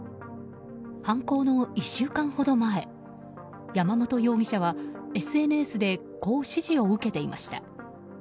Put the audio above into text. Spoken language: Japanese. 犯行の１週間ほど前山本容疑者はＳＮＳでこう指示を受けていました。